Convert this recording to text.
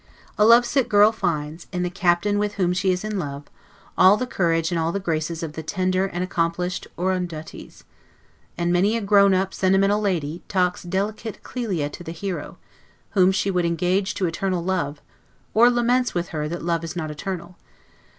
A lovesick girl finds, in the captain with whom she is in love, all the courage and all the graces of the tender and accomplished Oroondates: and many a grown up, sentimental lady, talks delicate Clelia to the hero, whom she would engage to eternal love, or laments with her that love is not eternal.